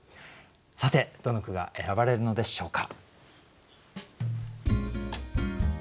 さてどの句が選ばれるのでしょうか。